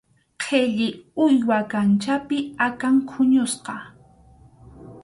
Qhilli, uywa kanchapi akan huñusqa.